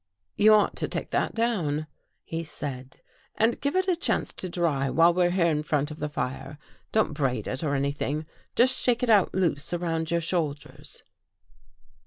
You ought to take that down," he said, " and give it a chance to dry while we're here in front of the fire. Don't braid it or anything. Just shake it out loose around your shoulders."